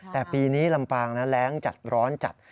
แต่ปีนี้ลำปางนั้นแรงจัดร้อนจัด